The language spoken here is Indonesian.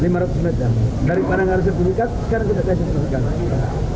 lima ratus meter daripada harus sertifikat sekarang kita kasih sertifikat